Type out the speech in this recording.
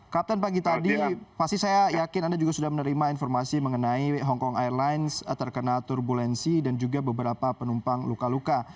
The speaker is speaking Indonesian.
kapten pagi tadi pasti saya yakin anda juga sudah menerima informasi mengenai hongkong airlines terkena turbulensi dan juga beberapa penumpang luka luka